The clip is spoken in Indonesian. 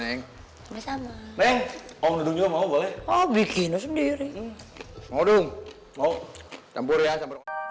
sama sama mau bikin sendiri mau campur ya